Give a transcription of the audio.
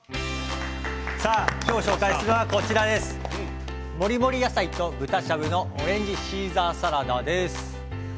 今日紹介するのはもりもり野菜と豚しゃぶのオレンジシーザーサラダです。